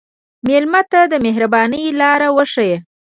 مېلمه ته د مهربانۍ لاره وښیه.